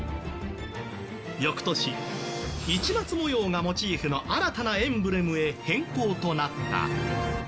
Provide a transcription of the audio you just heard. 翌年、市松模様がモチーフの新たなエンブレムへ変更となった。